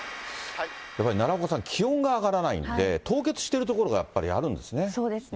やっぱり奈良岡さん、気温が上がらないんで、凍結している所がやっぱりあるんですね。